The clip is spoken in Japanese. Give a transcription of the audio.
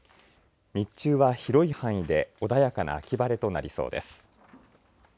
日中は、広い範囲で穏やかな秋晴れとなりそうです。